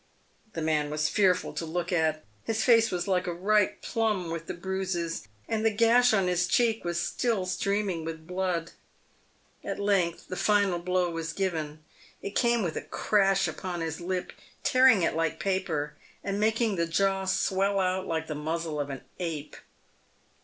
The man was fearful to look at. His face was like a ripe plum with the bruises, and the gash on his cheek was still streaming with blood. At length the final blow was given. It came with a crash upon his lip, tearing it like paper," and making the jaw swell out like the muzzle of an ape.